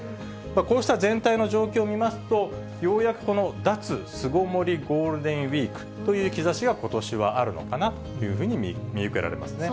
こうした全体の状況を見ますと、ようやくこの脱巣ごもりゴールデンウィークという兆しがことしはあるのかなというふうに見受けられますね。